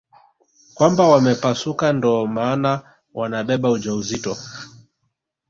Kwamba wamepasuka ndo maana wanabeba ujauzito